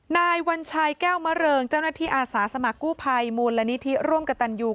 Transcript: นายวัญชัยแก้วมะเริงเจ้าหน้าที่อาสาสมัครกู้ภัยมูลนิธิร่วมกับตันยู